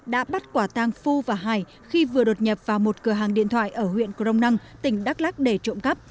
đã bắt quả tang phu và hải khi vừa đột nhập vào một cửa hàng điện thoại ở huyện crong năng tỉnh đắk lắc để trộm cắp